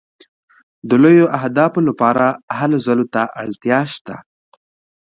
د لویو اهدافو لپاره هلو ځلو ته اړتیا شته.